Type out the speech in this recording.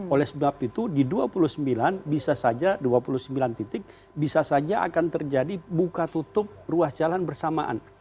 oleh sebab itu di dua puluh sembilan bisa saja dua puluh sembilan titik bisa saja akan terjadi buka tutup ruas jalan bersamaan